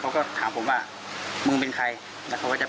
เขาขึ้นกูมึงแล้วผมก็ส่วนขึ้นไปว่า